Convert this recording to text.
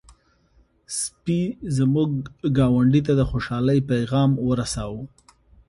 سپي زموږ ګاونډی ته د خوشحالۍ پيغام ورساوه.